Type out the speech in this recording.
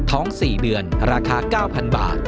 ๔เดือนราคา๙๐๐บาท